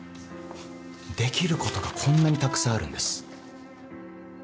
できることがこんなにたくさんあるんです。